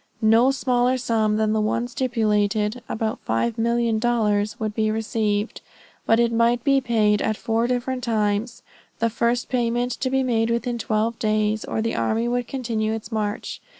No smaller sum than the one stipulated, (about five million dollars) would be received, but it might be paid at four different times; the first payment to be made within twelve days, or the army would continue its march.